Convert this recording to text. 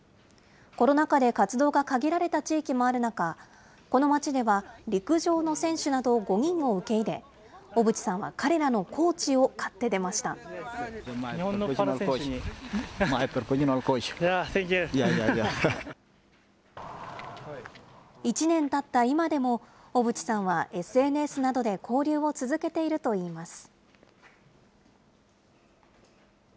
コロナ禍で活動が限られた地域もある中、この町では陸上の選手など５人を受け入れ、小渕さんは彼らのコー１年たった今でも、小渕さんはＳＮＳなどで交流を続けているといいます。